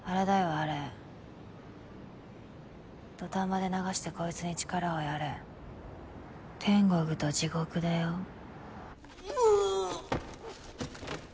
あれ土壇場で流してこいつに力をやれ「天国と地獄」だようう！